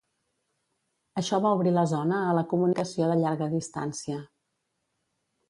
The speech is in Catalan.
Això va obrir la zona a la comunicació de llarga distància.